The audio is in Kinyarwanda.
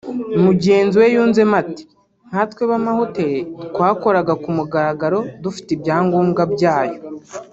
Mugenzi we yunzemo ati “Nkatwe b’amahoteli twakoraga ku mugaragaro dufite ibyangombwa byayo